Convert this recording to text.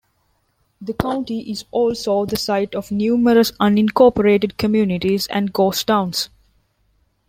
The county is also the site of numerous unincorporated communities and ghost towns.